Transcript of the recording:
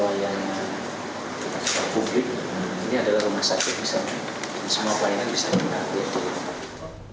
semua pelayanan bisa dilihat